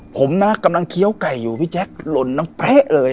ผมนะกำลังเคี้ยวไก่อยู่พี่แจ๊คหล่นน้ำเป๊ะเลย